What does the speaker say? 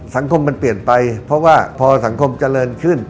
สังคมมันเปลี่ยนไปเพราะว่าพอสังคมเจริญขึ้น